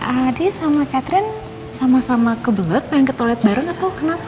adi sama catherine sama sama kebelet pengen ke toilet bareng atau kenapa